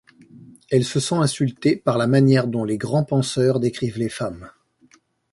Elle se sent insultée par la manière dont les grands penseurs décrivent les femmes.